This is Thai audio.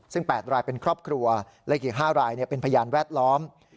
ซึ่ง๘รายเป็นครอบครัวและอีก๕รายเป็นพยานแวดล้อม